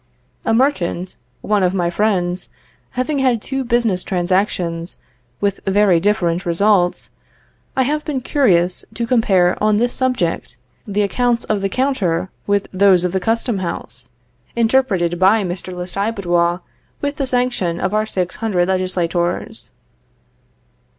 A merchant, one of my friends, having had two business transactions, with very different results, I have been curious to compare on this subject the accounts of the counter with those of the custom house, interpreted by Mr. Lestiboudois with the sanction of our six hundred legislators.